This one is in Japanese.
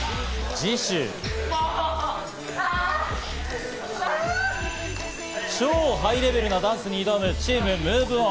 次週、超ハイレベルなダンスに挑むチームＭｏｖｅＯｎ。